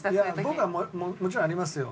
僕はもちろんありますよ。